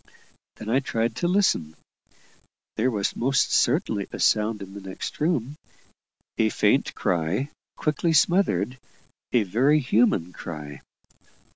Then I tried to listen. There was most certainly a sound in the next room a faint cry, quickly smothered a very human cry.